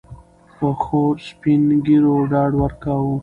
پخوسپین ږیرو ډاډ ورکاوه.